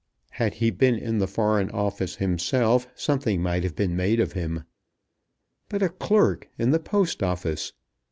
Had he been in the Foreign Office himself something might have been made of him; but a Clerk in the Post Office!